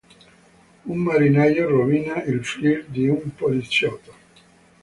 Un marinaio rovina il flirt di un poliziotto.